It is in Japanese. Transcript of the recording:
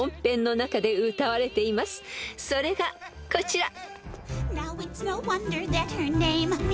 ［それがこちら］